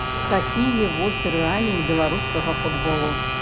Такія вось рэаліі беларускага футболу.